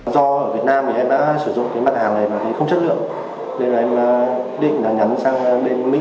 do ở việt nam em đã sử dụng cái mặt hàng này mà không chất lượng nên em định nhắn sang bên mỹ